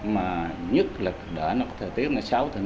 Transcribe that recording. mà nhất là đỡ nó có thời tiết sáu thì nó còn khó hơn nữa